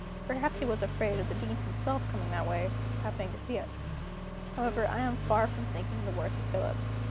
Perhaps he was afraid of the Dean himself coming that way, and happening to see us. However, I am far from thinking the worse of Philip.